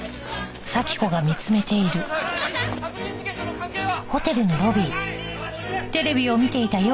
「殺人事件との関係は？」